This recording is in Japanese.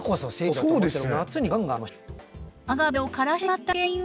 そうですね。